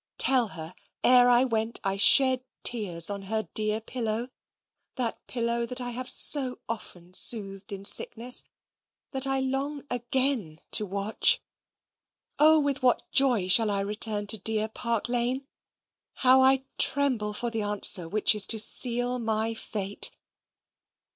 Tell her, ere I went, I shed tears on her dear pillow that pillow that I have so often soothed in sickness that I long AGAIN to watch Oh, with what joy shall I return to dear Park Lane! How I tremble for the answer which is to SEAL MY FATE!